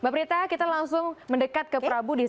mbak prita kita langsung mendekat ke prabu disenjata